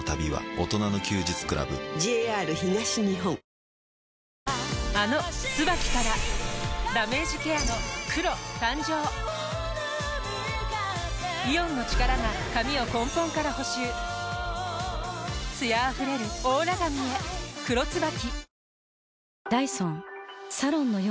乳酸菌が一時的な胃の負担をやわらげるあの「ＴＳＵＢＡＫＩ」からダメージケアの黒誕生イオンの力が髪を根本から補修艶あふれるオーラ髪へ「黒ＴＳＵＢＡＫＩ」